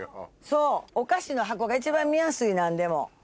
そうお菓子の箱が一番見やすい何でも。